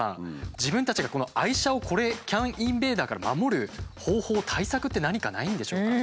自分たちが愛車をＣＡＮインベーダーから守る方法対策って何かないんでしょうか？